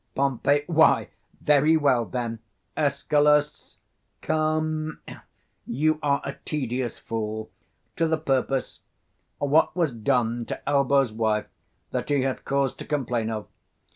Pom. Why, very well, then, 110 Escal. Come, you are a tedious fool: to the purpose. What was done to Elbow's wife, that he hath cause to complain of?